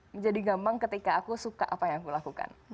menjadi gampang ketika aku suka apa yang aku lakukan